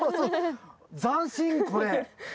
斬新これ！